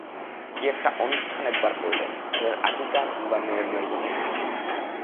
কী-একটা অনুষ্ঠান একবার করলেন-ছেলের আকিকা কিংবা মেয়ের জন্মদিনে।